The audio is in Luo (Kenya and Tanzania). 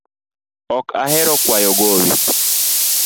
Ok ahero kwayo gowi